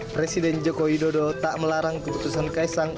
presiden joko widodo tak melarang keputusan kaisang